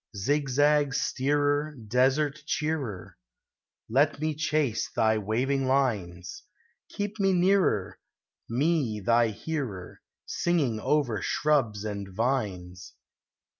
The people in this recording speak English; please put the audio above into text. Zigzag steerer, desert cheerer, Let me chase thy waving lines; Keep me nearer, me thy hearer, Singing over shrubs and vines.